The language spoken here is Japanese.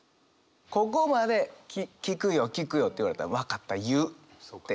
ここまで「聞くよ聞くよ」って言われたら分かった言うって。